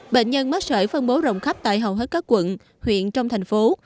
bệnh nhân mắc sởi phân bố rộng khắp tại hầu hết các quận huyện trong thành phố